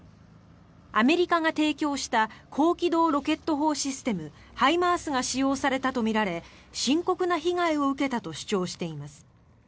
アメリカが提供した高機動ロケット砲システムＨＩＭＡＲＳが使用されたとみられ深刻な被害を受けたと主張しています。